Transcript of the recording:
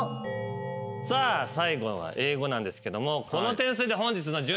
最後は英語なんですけども。